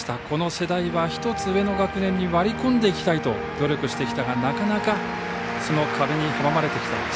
この世代は、１つ上の学年に割り込んでいきたいと努力してきたがなかなか、その壁に阻まれてきた。